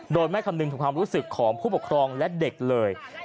โดยไม่คำนึงถึงความรู้สึกของผู้ปกครองและเด็กเลย